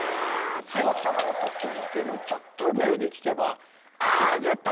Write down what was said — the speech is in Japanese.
最初の音聞いてちょっとメロディー聞けば「あ始まった！」。